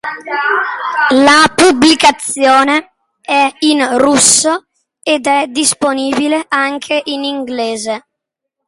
La pubblicazione è in russo ed è disponibile anche in inglese.